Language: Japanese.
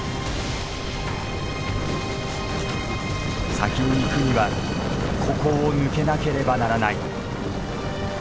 先に行くにはここを抜けなければならない。